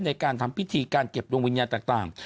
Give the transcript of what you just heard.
ในการทำพิธีการเก็บดวงวิญญาณต่าง